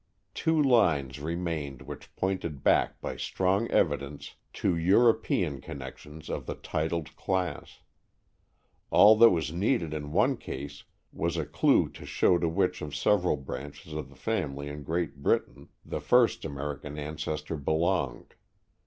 Two lines remained which pointed back by strong evidence to European connections of the titled class. All that was needed in one case was a clue to show to which of several branches of the family in Great Britain, the first American ancestor belonged.